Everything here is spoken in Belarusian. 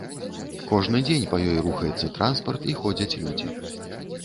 Кожны дзень па ёй рухаецца транспарт і ходзяць людзі.